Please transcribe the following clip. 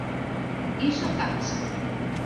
Iso cansa.